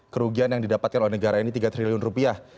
kerugian yang didapatkan oleh negara ini tiga triliun rupiah